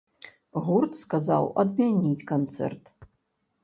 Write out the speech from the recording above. Гурт сказаў адмяніць канцэрт.